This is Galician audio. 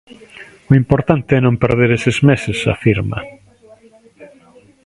O importante é non perder eses meses, afirma.